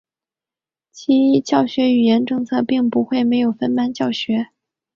其教学语言政策并不会设有分班教学。